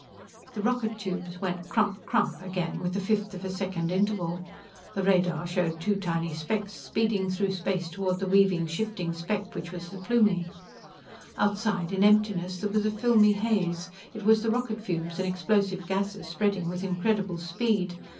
_" The rocket tubes went crump crump again, with a fifth of a second interval. The radar showed two tiny specks speeding through space toward the weaving, shifting speck which was the Plumie. Outside, in emptiness, there was a filmy haze. It was the rocket fumes and explosive gases spreading with incredible speed.